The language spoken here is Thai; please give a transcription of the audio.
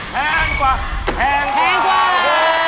แพงกว่าแพงกว่า